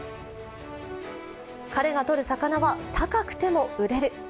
彼が捕る魚は高くても売れる。